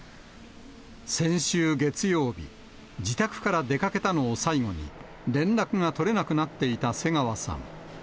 先週月曜日、自宅から出かけたのを最後に、連絡が取れなくなっていた瀬川さん。